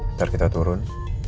ntar kita turun